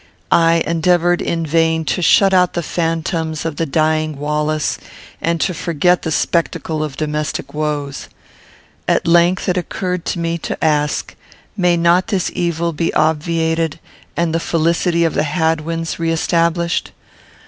I endeavoured, in vain, to shut out the phantoms of the dying Wallace, and to forget the spectacle of domestic woes. At length it occurred to me to ask, May not this evil be obviated, and the felicity of the Hadwins re established?